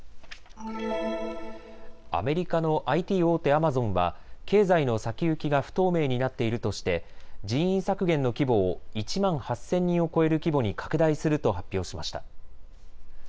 アメリカのＩＴ大手アマゾンは経済の先行きが不透明になっているとして人員削減の規模を１万８０００人を超える規模に拡大すると発表しました。